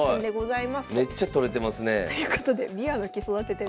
めっちゃ採れてますねえ。ということでびわの木育ててると。